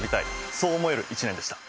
そう思える一年でした。